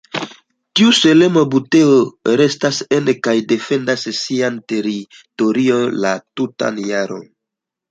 Tiu solema buteo restas en kaj defendas siajn teritoriojn la tutan jaron.